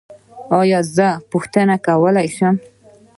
ایا زه بیا پوښتنه کولی شم؟